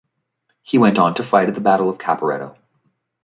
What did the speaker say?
He went on to fight at the Battle of Caporetto.